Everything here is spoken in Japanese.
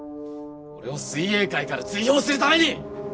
俺を水泳界から追放するために！